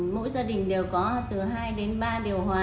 mỗi gia đình đều có từ hai đến ba điều hòa